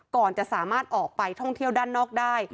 ก่อนจะสามารถออกไปท่องเที่ยวด้านนอกได้